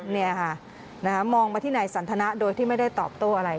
นี่ค่ะมองมาที่นายสันทนะโดยที่ไม่ได้ตอบโต้อะไร